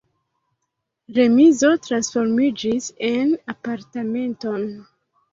Remizo transformiĝis en apartamenton.